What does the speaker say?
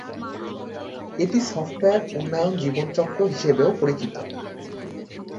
এটি সফটওয়্যার উন্নয়ন জীবনচক্র হিসেবেও পরিচিত।